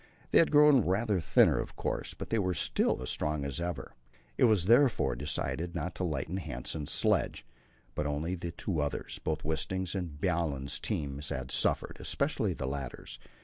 They had grown rather thinner, of course, but they were still as strong as ever. It was therefore decided not to lighten Hanssen's sledge, but only the two others; both Wisting's and Bjaaland's teams had suffered, especially the latter's.